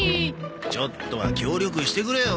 ちょっとは協力してくれよ。